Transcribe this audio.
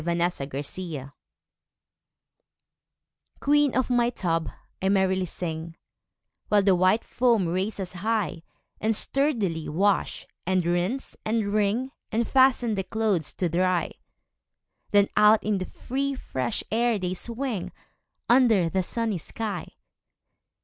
8 Autoplay Queen of my tub, I merrily sing, While the white foam raises high, And sturdily wash, and rinse, and wring, And fasten the clothes to dry; Then out in the free fresh air they swing, Under the sunny sky.